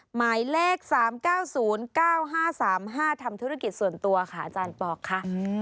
หมายเลข๓๙๐๙๕๓๕ทำธุรกิจส่วนตัวค่ะอาจารย์ปอล์ค่ะ